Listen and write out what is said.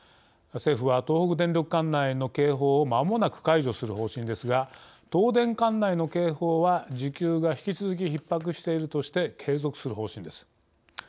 政府は東北電力管内の警報を間もなく解除する方針ですが東電管内の警報は需給が引き続きひっ迫しているとして継続する方針です。